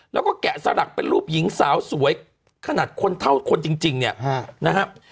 แล้วก็แกะสลักเป็นรูปหญิงสาวสวยขนาดคนเท่าคนจริงเนี่ยนะครับ